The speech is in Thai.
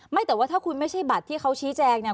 ไม่แต่ว่าถ้าคุณไม่ใช่บัตรที่เขาชี้แจงเนี่ย